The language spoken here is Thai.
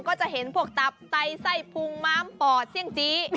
ก็จะเห็นพวกตับไตไส้พุงม้ามปอดเซี่ยงจี้